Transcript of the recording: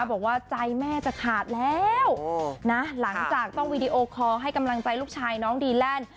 บอกว่าใจแม่จะขาดแล้วนะหลังจากต้องวีดีโอคอร์ให้กำลังใจลูกชายน้องดีแลนด์